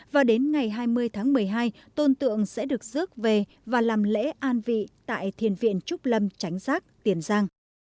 và đến ngày hai mươi tháng một mươi hai tôn tượng sẽ được rước về và làm lễ an vị tại thiền viện trúc lâm tránh giác tiền giang